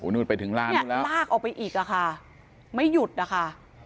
นี่ลากออกไปอีกค่ะไม่หยุดค่ะ